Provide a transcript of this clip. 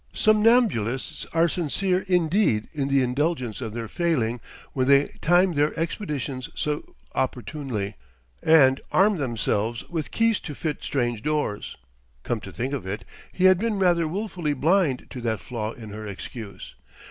Somnambulists are sincere indeed in the indulgence of their failing when they time their expeditions so opportunely and arm themselves with keys to fit strange doors. Come to think of it, he had been rather willfully blind to that flaw in her excuse....